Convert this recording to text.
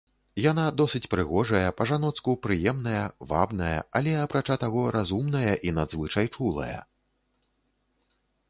Яна досыць прыгожая, па-жаноцку прыемная, вабная, але, апрача таго, разумная і надзвычай чулая.